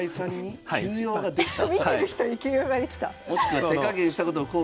見てる人に急用ができた。